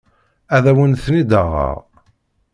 Ad awen-ten-id-aɣeɣ.